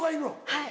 はい。